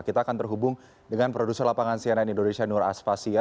kita akan terhubung dengan produser lapangan cnn indonesia nur asfasia